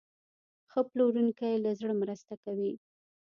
ښه پلورونکی له زړه مرسته کوي.